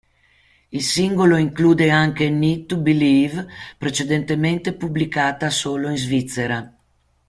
Il singolo include anche "Need to Believe", precedentemente pubblicata solo in Svizzera.